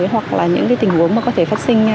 hoặc là những tình huống mà có thể phát sinh